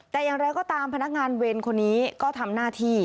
แต่อย่างไรก็ตามพนักงานเวรคนนี้ก็ทำหน้าที่